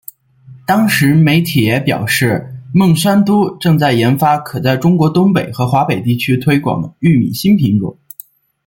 当时媒体也表示孟山都正在研发可在中国东北和华北地区推广的玉米新品种。